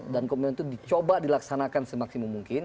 dan komitmen itu coba dilaksanakan semaksimum mungkin